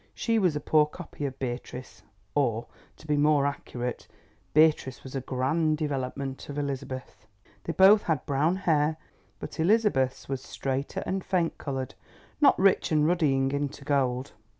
She was a poor copy of Beatrice, or, to be more accurate, Beatrice was a grand development of Elizabeth. They both had brown hair, but Elizabeth's was straighter and faint coloured, not rich and ruddying into gold.